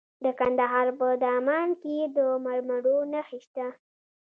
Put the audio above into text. د کندهار په دامان کې د مرمرو نښې شته.